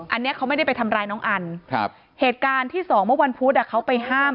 อันนี้เขาไม่ได้ไปทำร้ายน้องอันครับเหตุการณ์ที่สองเมื่อวันพุธเขาไปห้าม